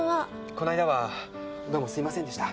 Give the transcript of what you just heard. この間はどうもすいませんでした。